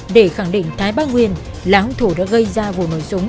để khẳng định thái bang nguyên là hùng thủ đã gây ra vụ nổi sống